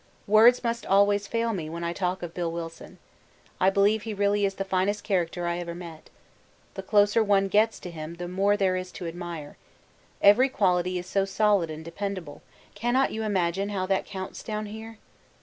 'Words must always fail me when I talk of Bill Wilson. I believe he really is the finest character I ever met the closer one gets to him the more there is to admire. Every quality is so solid and dependable; cannot you imagine how that counts down here?